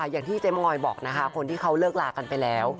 อย่างที่เจ๊มอยบอกนะคะคนที่เขาเลิกลากันไปแล้ว